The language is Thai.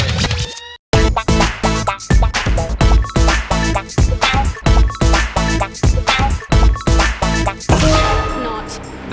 โอน้ต